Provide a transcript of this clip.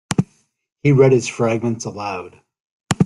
He read his fragments aloud.